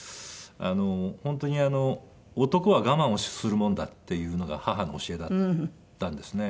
本当に男は我慢をするもんだっていうのが母の教えだったんですね。